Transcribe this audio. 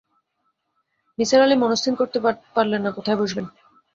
নিসার আলি মনস্থির করতে পারলেন না কোথায় বসবেন।